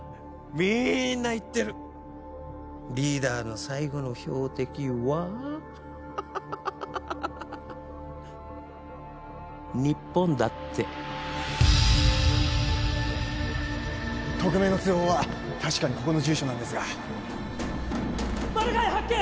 みんな言ってるリーダーの最後の標的はハハハハ日本だって匿名の通報は確かにここの住所なんですがマルガイ発見！